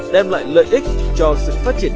đem lại lợi ích cho sự phát triển